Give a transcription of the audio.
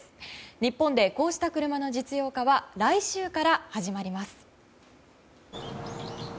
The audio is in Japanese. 日本でこうした車の実用化は来週から始まります。